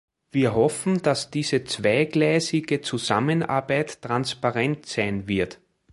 Wir hoffen, dass diese zweigleisige Zusammenarbeit transparent sein wird.